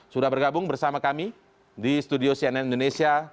sudah bergabung bersama kami di studio cnn indonesia